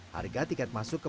harga tiket masuk ke